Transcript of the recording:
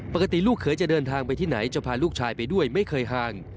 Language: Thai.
ปกติลูกเขยจะเดินทางไปที่ไหนจะพาลูกชายไปด้วยไม่เคยห่าง